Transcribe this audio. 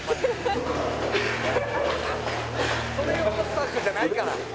「それ用のスタッフじゃないから」